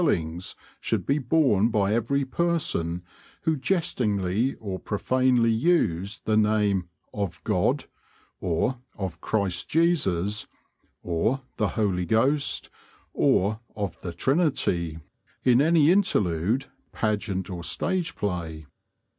_ should be borne by every person who jestingly or profanely used the name "of God, or of Christ Jesus, or the Holy Ghost, or of the Trinity," in any interlude, pageant or stage play.